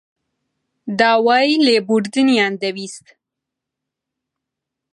داوای لێبوردنیان دەویست.